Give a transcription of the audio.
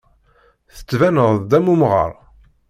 Tettbaneḍ-d am umɣar.